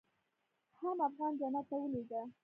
حم افغان جنت ته ولېږه.